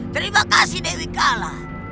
terima kasih dewi kala